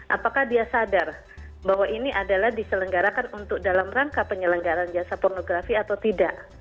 apakah dia sadar bahwa ini adalah diselenggarakan untuk dalam rangka penyelenggaran jasa pornografi atau tidak